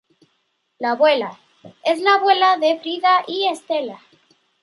La Abuela: Es la Abuela de Frida y Estela.